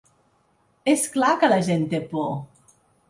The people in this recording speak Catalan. És clar que la gent té por.